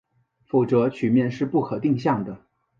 否则曲面是不可定向的。